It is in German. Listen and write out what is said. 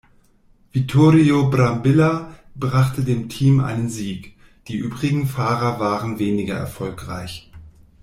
Vittorio Brambilla brachte dem Team einen Sieg; die übrigen Fahrer waren weniger erfolgreich.